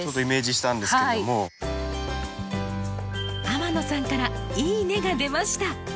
天野さんから「いいね」が出ました。